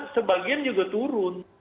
sebagian juga turun